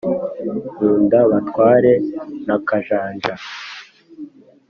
nkundabatware na kajanja